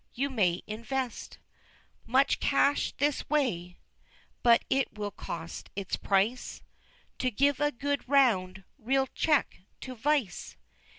You may invest Much cash this way but it will cost its price, To give a good, round, real cheque to Vice!